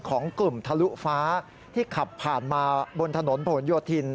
ของกลุ่มทะลุฟ้าที่ขับผ่านมาบนถนนผลโยธิน